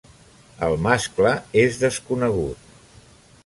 El mascle és desconegut.